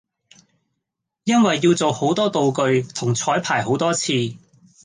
因為要做好多道具同彩排好多次